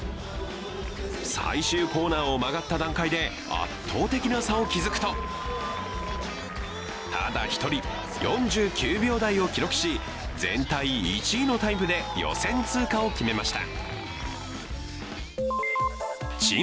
最終コーナーを曲がった段階で圧倒的な差を築くとただ一人、４９秒台を記録し、全体１位のタイムで予選通過を決めました。